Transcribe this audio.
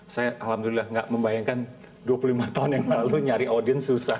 saya alhamdulillah nggak membayangkan dua puluh lima tahun yang lalu nyari audien susah